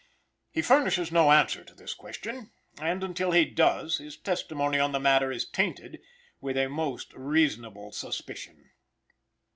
He furnishes no answer to this question, and until he does, his testimony on the matter is tainted with a most reasonable suspicion.